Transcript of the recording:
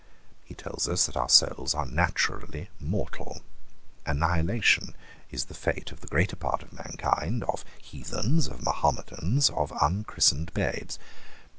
He tells us that our souls are naturally mortal. Annihilation is the fate of the greater part of mankind, of heathens, of Mahometans, of unchristened babes.